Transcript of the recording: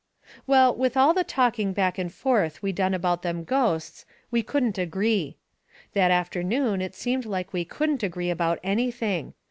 Well, with all the talking back and forth we done about them ghosts we couldn't agree. That afternoon it seemed like we couldn't agree about anything.